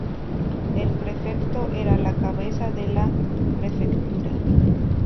El prefecto era la cabeza de la prefectura.